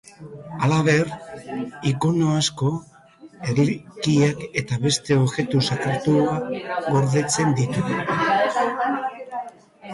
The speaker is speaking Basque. Halaber, ikono asko, erlikiak eta beste objektu sakratuak gordetzen ditu.